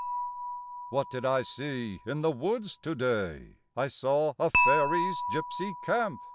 What did I see in the woods, to day ? I saw a fairies' gypsy camp.